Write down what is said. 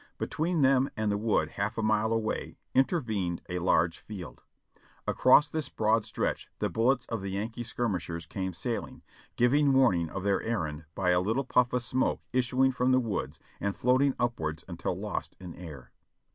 Between them and the wood half a mile away intervened a large field. Across this broad stretch the bullets of the Yankee skirmishers came sailing, giving warning of their errand by a little pufi^ of smoke issuing from the woods and floating upwards until lost in air.